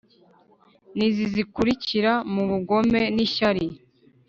Nizi zikurikira nu bugome nishyari